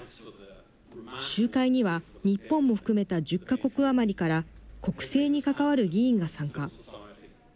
集会には、日本も含めた１０か国余りから、国政に関わる議員が参加。